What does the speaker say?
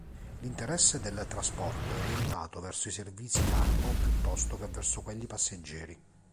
L'interesse del trasporto è orientato verso i servizi cargo piuttosto che verso quelli passeggeri.